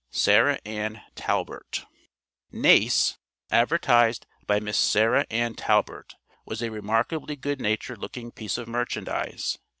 SARAH ANN TALBURTT. sl5 eotf. Nace, advertised by Miss Sarah Ann Talburtt, was a remarkably good natured looking piece of merchandise.